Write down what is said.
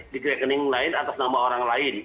di rekening lain atas nama orang lain